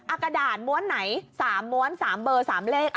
กระดาษม้วนไหน๓ม้วน๓เบอร์๓เลข